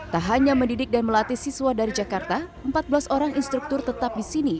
tak hanya mendidik dan melatih siswa dari jakarta empat belas orang instruktur tetap di sini